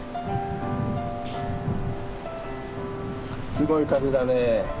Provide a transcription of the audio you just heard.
すごい風だね。